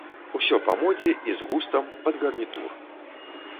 Усё па модзе і з густам, пад гарнітур.